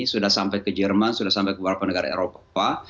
sudah sampai ke jerman sudah sampai ke beberapa negara eropa